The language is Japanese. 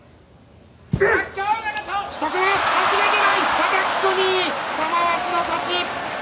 はたき込み、玉鷲の勝ち。